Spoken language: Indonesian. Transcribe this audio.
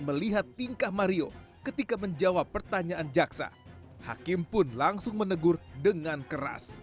melihat tingkah mario ketika menjawab pertanyaan jaksa hakim pun langsung menegur dengan keras